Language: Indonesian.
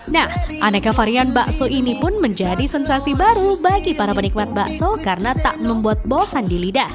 nah aneka varian bakso ini pun menjadi sensasi baru bagi para penikmat bakso karena tak membuat bosan di lidah